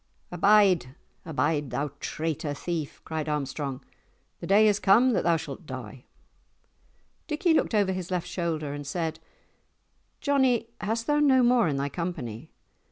"Abide, abide, thou traitor thief!" cried Armstrong; "the day is come that thou shalt die!" Dickie looked over his left shoulder and said, "Johnie, hast thou no more in thy company?